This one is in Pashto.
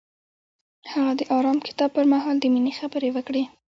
هغه د آرام کتاب پر مهال د مینې خبرې وکړې.